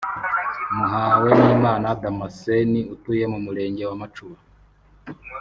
Muhawenimana Damascène utuye mu Murenge wa Macuba